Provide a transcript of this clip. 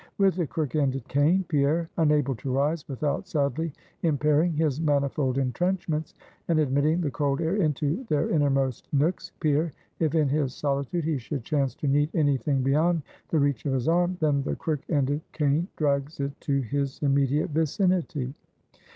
With the crook ended cane, Pierre unable to rise without sadly impairing his manifold intrenchments, and admitting the cold air into their innermost nooks, Pierre, if in his solitude, he should chance to need any thing beyond the reach of his arm, then the crook ended cane drags it to his immediate vicinity.